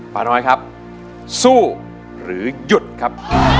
ป้าน้อยครับสู้หรือหยุดครับ